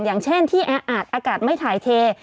อย่างเช่นที่แออัดอากาศไม่ถ่ายเท